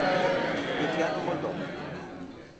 Luciano Moldova.